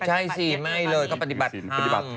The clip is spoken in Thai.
ใช่สิมายเลยก็ปฏิบัติธรรม